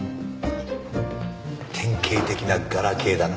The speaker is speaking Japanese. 典型的なガラ刑だな。